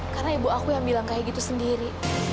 karena ibu aku yang bilang kayak gitu sendiri